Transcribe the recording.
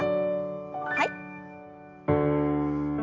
はい。